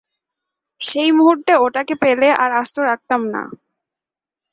সেইমুহূর্তে ওটাকে পেলে আর আস্ত রাখতাম না।